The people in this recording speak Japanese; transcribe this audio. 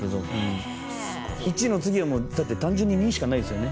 「一」の次はもうだって単純に「二」しかないですよね。